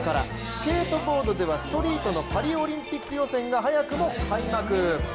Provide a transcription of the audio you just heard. スケートボードではストリートのパリオリンピック予選が早くも開幕。